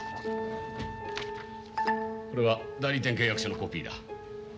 これは代理店契約書のコピーだ。